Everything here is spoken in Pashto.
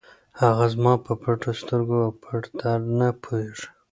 هغه زما په پټو سترګو او پټ درد نه پوهېږي.